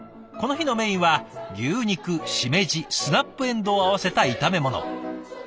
この日のメインは牛肉しめじスナップえんどうを合わせた炒め物。